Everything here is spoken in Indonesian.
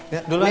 ya dulu aja